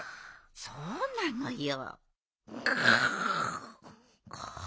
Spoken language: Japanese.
そうなのよ。